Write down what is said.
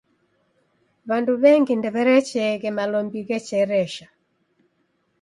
W'andu w'engi ndew'erecheeghe malombi ghecheresha.